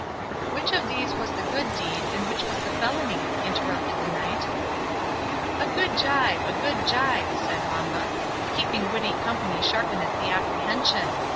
"Which of these was the good deed, which was the felony?" interrupted the Knight. "A good gibe! a good gibe!" said Wamba; "keeping witty company sharpeneth the apprehension.